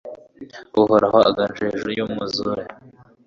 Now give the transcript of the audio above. Uhoraho aganje hejuru y’umwuzure